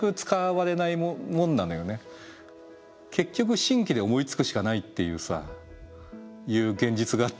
結局新規で思いつくしかないっていう現実があって。